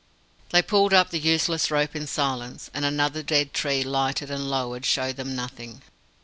They pulled up the useless rope in silence; and another dead tree lighted and lowered showed them nothing.